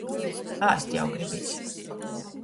Ēst jau gribīs.